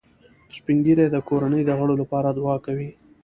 سپین ږیری د کورنۍ د غړو لپاره دعا کوي